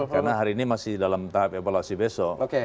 karena hari ini masih dalam tahap evaluasi besok